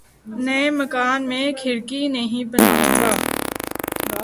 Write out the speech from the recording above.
نئے مکان میں کھڑکی نہیں بناؤں گا